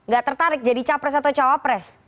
gak tertarik jadi capres atau cawapres